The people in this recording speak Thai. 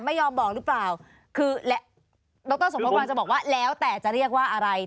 ไม่ยอมบอกหรือเปล่าคือดรสมพกำลังจะบอกว่าแล้วแต่จะเรียกว่าอะไร